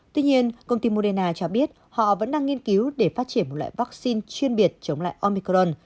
tuy nhiên công ty moderna cho biết họ vẫn đang nghiên cứu để phát triển một loại vaccine chuyên biệt chống lại omicron